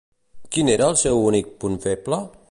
Quin era el seu únic punt feble?